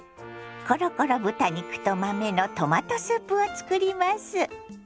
コロコロ豚肉と豆のトマトスープを作ります。